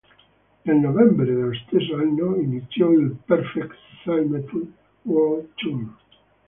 Nel novembre dello stesso anno iniziò il Perfect Symmetry World Tour.